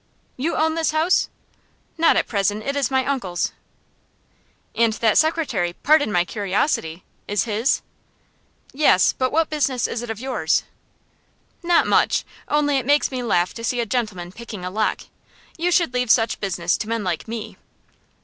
"You own this house?" "Not at present. It is my uncle's." "And that secretary pardon my curiosity is his?" "Yes; but what business is it of yours?" "Not much. Only it makes me laugh to see a gentleman picking a lock. You should leave such business to men like me!"